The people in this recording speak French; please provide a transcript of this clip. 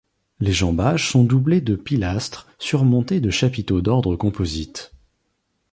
Les jambages sont doublés de pilastres surmontés de chapiteaux d'ordre composite.